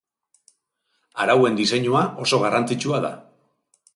Arauen diseinua oso garrantzitsua da.